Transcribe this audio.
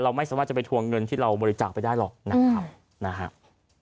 ไม่สามารถจะไปทวงเงินที่เราบริจาคไปได้หรอกนะครับนะฮะ